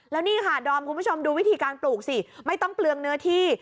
แล้วนี่ค่ะดอมคุณผู้ชมดูวิธีการปลูกสิไม่ต้องเปลืองเนื้อที่